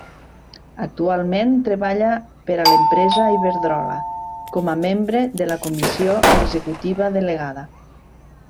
Actualment treballa per a l'empresa Iberdrola, com a membre de la Comissió Executiva Delegada.